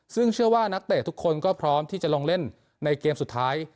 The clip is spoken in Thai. ซึ่งเชื่อว่านักเตะทุกคนก็พร้อมที่จะลงเล่นในเกมสุดท้าย